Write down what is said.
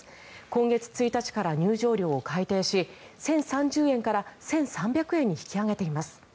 今月１日から入城料を改定し１０３０円から１３００円に引き上げています。